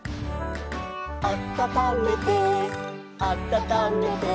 「あたためてあたためて」